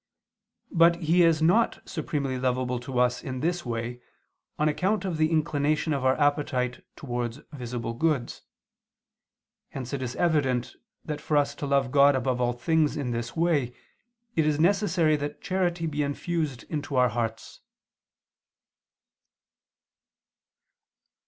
But He is not supremely lovable to us in this way, on account of the inclination of our appetite towards visible goods. Hence it is evident that for us to love God above all things in this way, it is necessary that charity be infused into our hearts.